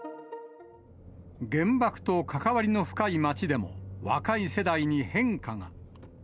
原爆と関わりの深い町でも、若い世代に変化が。